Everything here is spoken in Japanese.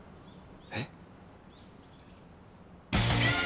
えっ？